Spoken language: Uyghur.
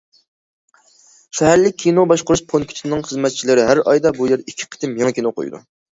شەھەرلىك كىنو باشقۇرۇش پونكىتىنىڭ خىزمەتچىلىرى ھەر ئايدا بۇ يەردە ئىككى قېتىم يېڭى كىنو قويىدۇ.